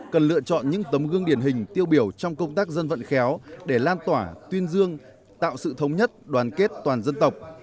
cần lựa chọn những tấm gương điển hình tiêu biểu trong công tác dân vận khéo để lan tỏa tuyên dương tạo sự thống nhất đoàn kết toàn dân tộc